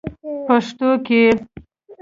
پښتو کې: